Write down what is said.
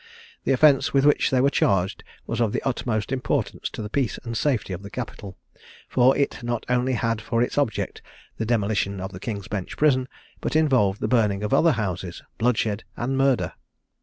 The offence with which they were charged was of the utmost importance to the peace and safety of the capital; for it not only had for its object the demolition of the King's Bench Prison, but involved the burning of other houses, bloodshed, and murder.